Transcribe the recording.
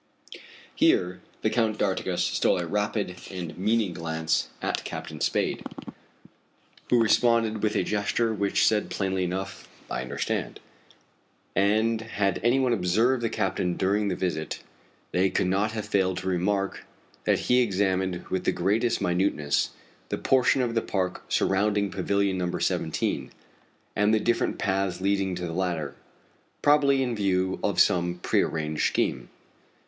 Here the Count d'Artigas stole a rapid and meaning glance at Captain Spade, who responded with a gesture which said plainly enough: "I understand." And had any one observed the captain during the visit, they could not have failed to remark that he examined with the greatest minuteness that portion of the park surrounding Pavilion No. 17, and the different paths leading to the latter probably in view of some prearranged scheme.